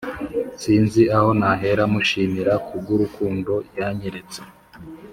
sinzi aho nahera mushimira kubw'urukundo yanyeretse